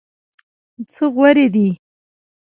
څه غورې دي.